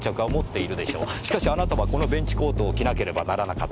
しかしあなたはこのベンチコートを着なければならなかった。